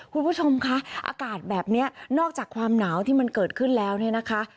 คุณผู้ชมคะอากาศแบบนี้นอกจากความหนาวที่มันเกิดขึ้นแล้วเนี่ยนะคะ